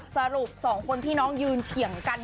สรุปสองคนพี่น้องยืนเถียงกัน